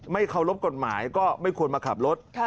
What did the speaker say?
เคารพกฎหมายก็ไม่ควรมาขับรถ